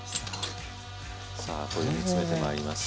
さあこれで煮詰めてまいります。